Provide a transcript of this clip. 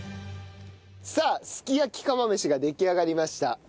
さあすき焼き釜飯が出来上がりました。